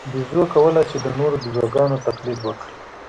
بیزو کولای شي د نورو بیزوګانو تقلید وکړي.